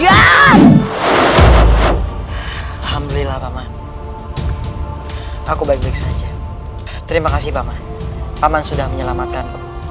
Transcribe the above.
alhamdulillah paman aku baik baik saja terima kasih paman paman sudah menyelamatkanku